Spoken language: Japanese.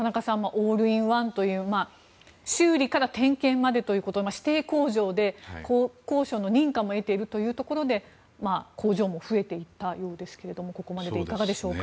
オールインワンという修理から点検までということで指定工場で国交省の認可も得ているということで工場も増えていったということですがここまで、いかがですか？